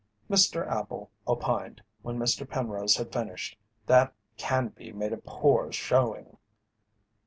Mr. Appel opined, when Mr. Penrose had finished, that "Canby made a poor showing."